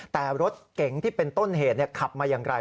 แต่รถเก่งที่เป็นต้นเหตุเนี่ยขับมายังไง